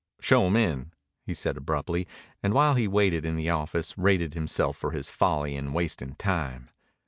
"Show him in," he said abruptly, and while he waited in the office rated himself for his folly in wasting time.